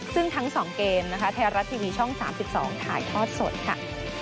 ซึ่งทั้ง๒เกมนะคะไทยรัฐทีวีช่อง๓๒ถ่ายทอดสดค่ะ